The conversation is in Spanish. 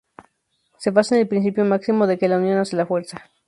Se basa en el principio máximo de que "la unión hace la fuerza".